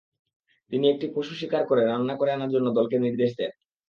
তিনি একটি পশু শিকার করে রান্না করে আনার জন্যে দলকে নির্দেশ দেন।